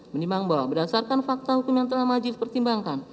menimbang bahwa berdasarkan fakta hukum yang telah majlis pertimbangkan